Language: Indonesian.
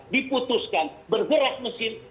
diputuskan bergerak mesin